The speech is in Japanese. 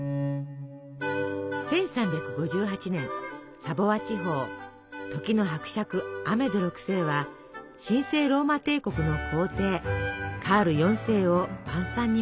１３５８年サヴォワ地方時の伯爵アメデ６世は神聖ローマ帝国の皇帝カール４世を晩餐に招きます。